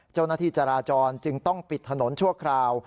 เจ้าหน้าที่จราจรจึงต้องปิดถนนชั่วคราว